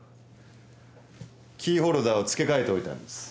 キーホルダーを付け替えておいたんです。